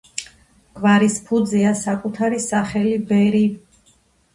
გვარის ფუძეა საკუთარი სახელი ბერი.